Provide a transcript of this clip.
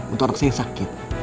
untuk anak saya yang sakit